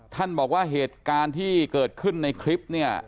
ท่านบอกว่าเห็ดการที่เกิดขึ้นในคลิป